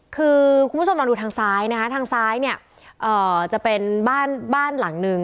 คุณผู้ชมลองดูทางซ้ายทางซ้ายจะเป็นบ้านหลังนึง